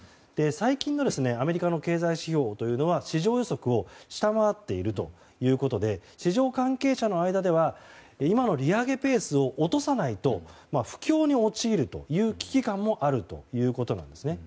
最近のアメリカの経済指標というのは市場予測を下回っているということで市場関係者の間では今の利上げペースを落とさないと不況に陥るという危機感もあるということなんですね。